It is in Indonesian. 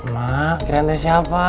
mak kirim teh siapa